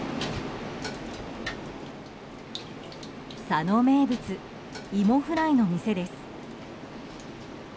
佐野名物いもフライの店です。